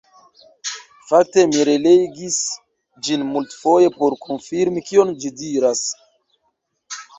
Fakte mi relegis ĝin multfoje por konfirmi kion ĝi diras.